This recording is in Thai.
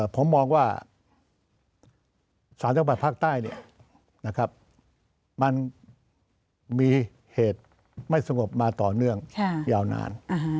ผมมองว่า๓จังหวัดภาคใต้มันมีเหตุไม่สงบมาต่อเนื่องยาวนาน